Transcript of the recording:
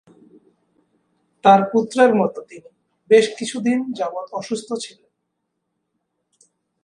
তাঁর পুত্রের মতে তিনি "বেশ কিছুদিন যাবৎ অসুস্থ ছিলেন।"